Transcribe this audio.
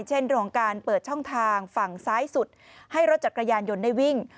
เรื่องของการเปิดช่องทางฝั่งซ้ายสุดให้รถจักรยานยนต์ได้วิ่ง